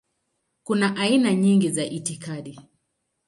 Kuna aina nyingi za itikadi.